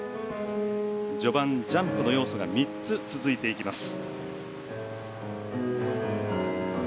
序盤、ジャンプの要素が３つ続いていきます。